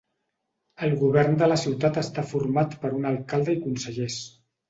El govern de la ciutat està format per un alcalde i consellers.